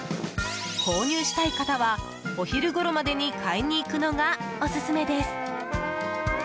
購入したい方は、お昼ごろまでに買いに行くのがオススメです。